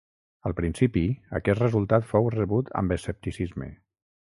Al principi, aquest resultat fou rebut amb escepticisme.